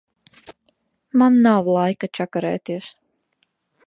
Man nav laika čakarēties.